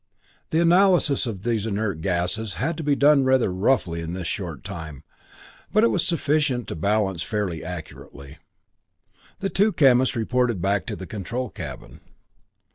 The analyses of these inert gasses had to be done rather roughly in this short time, but it was sufficient to balance fairly accurately. The two chemists reported back to the control cabin.